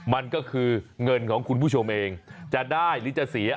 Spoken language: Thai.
มันก็คือเงินของคุณผู้ชมเองจะได้หรือจะเสีย